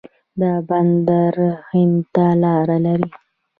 دا بندر هند ته لاره لري.